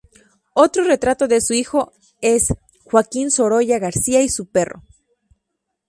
Otro retrato de su hijo es "Joaquín Sorolla García y su perro.